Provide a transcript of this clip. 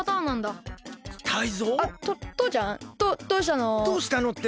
どどうしたの？